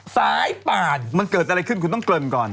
สายป่านมันเกิดอะไรขึ้นคุณต้องเกริ่นก่อน